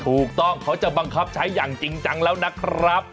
เขาจะบังคับใช้อย่างจริงจังแล้วนะครับ